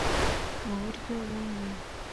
muburyo bumwe.